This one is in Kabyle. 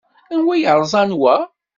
Anwa ay yerẓan wa?